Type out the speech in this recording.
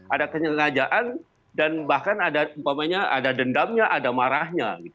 ada kesengajaan dan bahkan ada dendamnya ada marahnya